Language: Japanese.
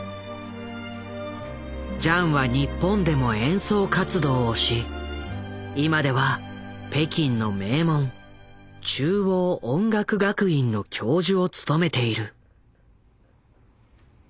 ジャンは日本でも演奏活動をし今では北京の名門中央音楽学院の教授を務めている。